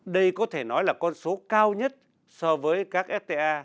đây có thể nói là con số cao nhất so với các fta